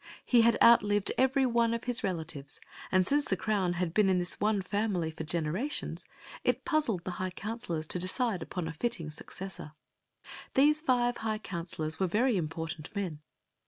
He had outlived every one of his relatives, and since the crown had been in this one family for generations, it puzzled the high counselors to decide upon a fitting successor. These five high counselors were very important men.